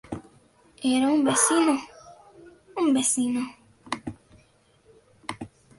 era un vecino... un vecino.